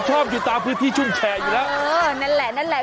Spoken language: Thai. ชอบอยู่ตามพื้นที่ชุ่มแฉอยู่แล้วเออนั่นแหละนั่นแหละ